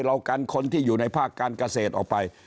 เรากันคนที่อยู่ในภาคการเกษตรออกไป